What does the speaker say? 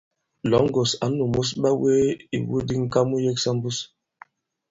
Lɔ̌ŋgòn ǎ nūmus ɓawee ìwu di ŋ̀ka mu yiksa mbus.